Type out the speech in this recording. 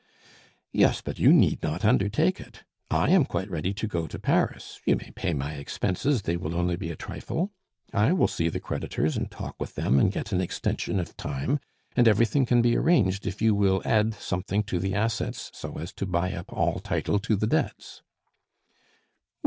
"Yes, but you need not undertake it. I am quite ready to go to Paris (you may pay my expenses, they will only be a trifle). I will see the creditors and talk with them and get an extension of time, and everything can be arranged if you will add something to the assets so as to buy up all title to the debts."